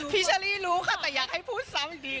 เชอรี่รู้ค่ะแต่อยากให้พูดซ้ำอีกที